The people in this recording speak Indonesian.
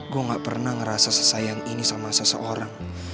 gue gak pernah ngerasa sayang ini sama seseorang